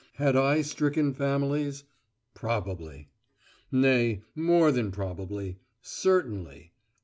Had I stricken families? Probably. Nay, more than probably. Certainly.